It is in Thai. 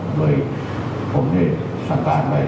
ก็เลยพ่อมันได้สั่งการไป